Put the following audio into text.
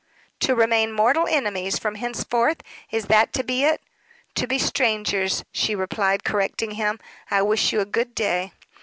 "To remain mortal enemies from henceforth? Is that to be it?" "To be strangers," she replied, correcting him. "I wish you a good day."